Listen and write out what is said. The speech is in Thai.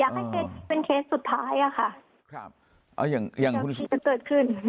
อย่างนี้สุดท้ายมีอะไรจะเกิดขึ้น